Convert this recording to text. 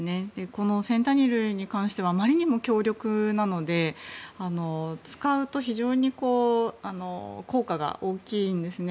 このフェンタニルに関してはあまりにも強力なので使うと非常に効果が大きいんですね。